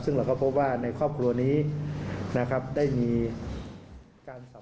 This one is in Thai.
ซึ่งเราก็พบว่าในครอบครัวนี้นะครับได้มีการสอบ